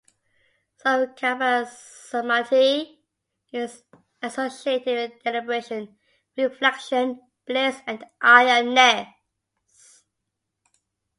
"Savikalpa samadhi" is associated with deliberation, reflection, bliss, and I-am-ness.